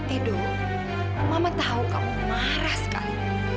edo mama tahu kamu marah sekali